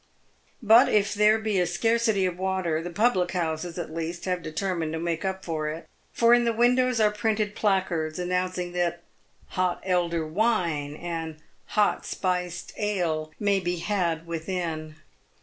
But if there be a scarcity of water, the public houses, at least, have determined to make up for it, for in the windows are printed placards announcing that " Hot Elder Wine" and " Hot Spioed Ale" may be had within.